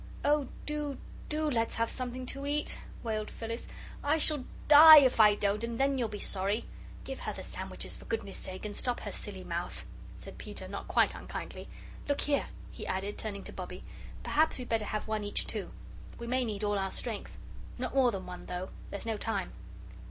"Oh, do, DO let's have something to eat," wailed Phyllis. "I shall die if you don't, and then you'll be sorry." "Give her the sandwiches, for goodness' sake, and stop her silly mouth," said Peter, not quite unkindly. "Look here," he added, turning to Bobbie, "perhaps we'd better have one each, too. We may need all our strength. Not more than one, though. There's no time."